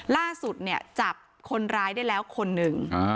ล่าสุดเนี่ยจับคนร้ายได้แล้วคนหนึ่ง